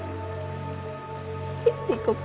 行こっか。